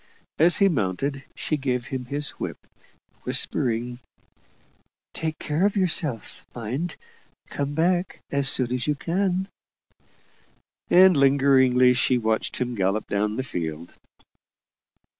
As he mounted, she gave him his whip, whispering "Take care of yourself, mind. Come back as soon as you can." And lingeringly she watched him gallop down the field.